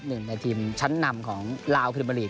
หนึ่งในทีมชั้นนำของราวเพิร์มอลิก